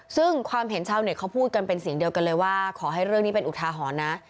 ซึ่งความเห็นชาวเน็ตเขาพูดกันเป็นเสียงเดียวกันเลยว่าขอให้เรื่องนี้เป็นอุทาหรณ์นะ